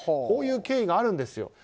こういう経緯があるんですよ。